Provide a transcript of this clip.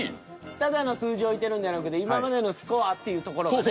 ただの数字置いてるんじゃなくて今までのスコアっていうところがね。